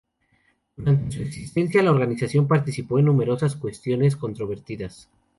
Durante su existencia, la organización participó en numerosas cuestiones controvertidas.